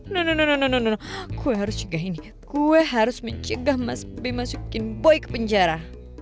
no no no no no no gue harus juga ini gue harus mencegah mas b masukin boy ke penjara